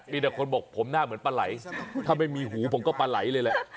มีแต่คนบอกผมหน้าเหมือนปลาไหลถ้าไม่มีหูผมก็ปลาไหลเลยแหละ